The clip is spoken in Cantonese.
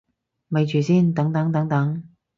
咪住先，等等等等